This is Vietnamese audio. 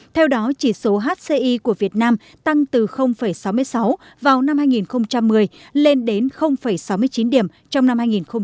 theo đó chỉ số hci của việt nam tăng từ sáu mươi sáu vào năm hai nghìn một mươi lên đến sáu mươi chín điểm trong năm hai nghìn một mươi tám